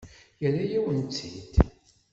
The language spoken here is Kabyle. Yerra-yawen-tt-id.